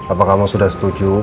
apa kamu sudah setuju